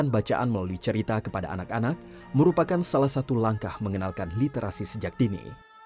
bacaan melalui cerita kepada anak anak merupakan salah satu langkah mengenalkan literasi sejak dini